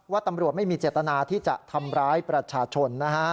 ตำรวจไม่มีเจตนาที่จะทำร้ายประชาชนนะฮะ